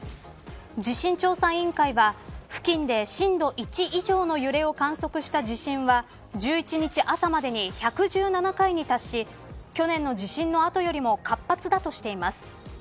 地震調査委員会は付近で震度１以上の揺れを観測した地震は１１日朝までに１１７回に達し去年の地震の後よりも活発だとしています